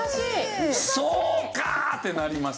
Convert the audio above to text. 「そうか！」ってなります。